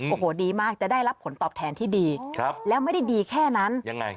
โอ้โหดีมากจะได้รับผลตอบแทนที่ดีครับแล้วไม่ได้ดีแค่นั้นยังไง